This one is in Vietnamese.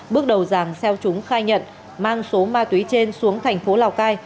bước đầu giàng xeo trúng khai nhận mang số ma túy trên xuống thành phố lào cai